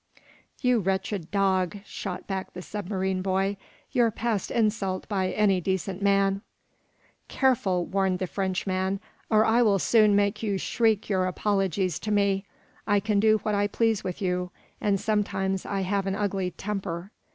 "You wretched dog," shot back the submarine boy, "you're past insult by any decent man!" "Careful," warned the Frenchman, "or I will soon make you shriek your apologies to me. I can do what I please with you, and sometimes I have an ugly temper.